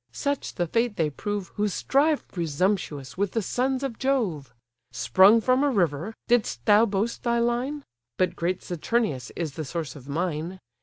Such the fate they prove, Who strive presumptuous with the sons of Jove! Sprung from a river, didst thou boast thy line? But great Saturnius is the source of mine.